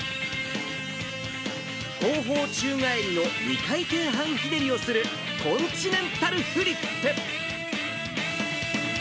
後方宙返りの２回転半宙返りをするコンチネンタルフリップ。